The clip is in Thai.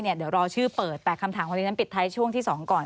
เดี๋ยวรอชื่อเปิดแต่คำถามวันนี้นั้นปิดท้ายช่วงที่๒ก่อน